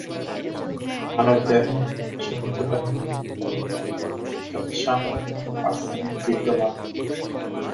মানবদেহ, সমুদ্র এবং মৃত্তিকায় যৎসামান্য আর্সেনিক বিদ্যমান।